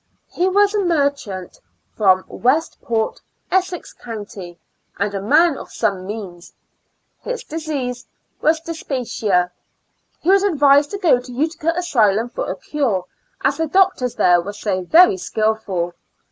He was a merchant from West Port, Essex county, and a man of some means ; his disease was dyspepsia. He was advised to go to Utica asylum for a cure, as the doctors there were so very skillful.